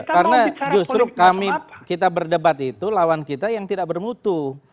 karena justru kami kita berdebat itu lawan kita yang tidak bermutu